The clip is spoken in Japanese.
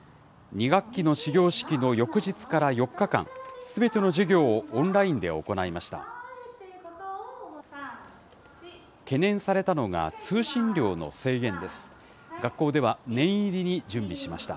２学期の始業式の翌日から４日間、すべての授業をオンラインで行いました。